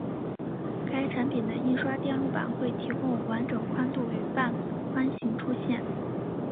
该产品的印刷电路板会提供完整宽度与半宽型出现。